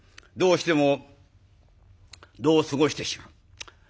どうしても度を過ごしてしまう。